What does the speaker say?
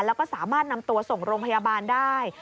แล้วก็สามารถนำตัวส่งโรงพยาบาลได้